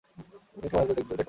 একদিন সময় আসবে, দেখাব।